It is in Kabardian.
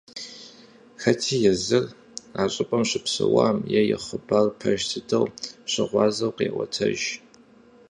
Хэти езыр а щӀыпӀэм щыпсэуауэ е и хъыбарым пэж дыдэу щыгъуазэу къеӀуэтэж.